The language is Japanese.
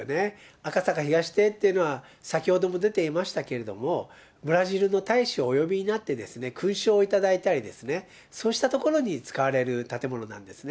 赤坂東邸っていうのは、先ほども出ていましたけれども、ブラジルの大使をお呼びになって勲章を頂いたりとか、そうしたところに使われる建物なんですね。